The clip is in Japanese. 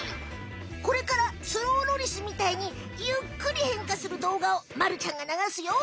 これからスローロリスみたいにゆっくり変化するどうがをまるちゃんがながすよ。